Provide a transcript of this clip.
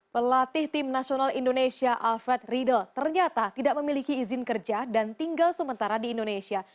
pelatih tim nasional indonesia alfred riedel ternyata tidak memiliki izin kerja dan tinggal sementara di indonesia